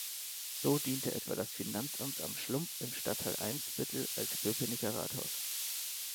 So diente etwa das Finanzamt am Schlump im Stadtteil Eimsbüttel als Köpenicker Rathaus.